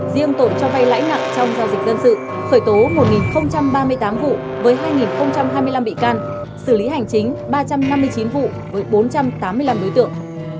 xử lý hành chính ba trăm năm mươi chín vụ với bốn trăm tám mươi năm đối tượng